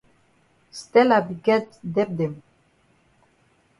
Stella be get debt dem.